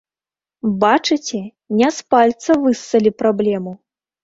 Бачыце, не з пальца выссалі праблему!